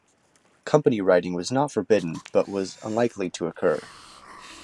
Company riding was not forbidden but was unlikely to occur.